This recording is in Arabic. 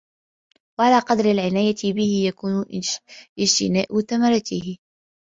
وَعَلَى قَدْرِ الْعِنَايَةِ بِهِ يَكُونُ اجْتِنَاءُ ثَمَرَتِهِ